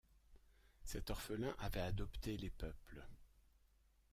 Cet orphelin avait adopté les peuples.